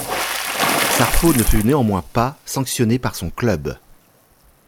Sarfo ne fut néanmoins pas sanctionné par son club.